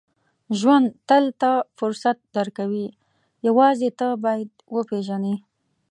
• ژوند تل ته فرصت درکوي، یوازې ته باید یې وپېژنې.